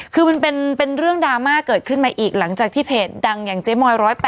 คือมันเป็นเรื่องดราม่าเกิดขึ้นมาอีกหลังจากที่เพจดังอย่างเจ๊มอย๑๐๘